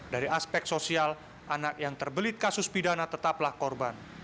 dari aspek sosial anak yang terbelit kasus pidana tetaplah korban